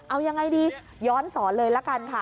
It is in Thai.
เอายังไงดีย้อนสอนเลยละกันค่ะ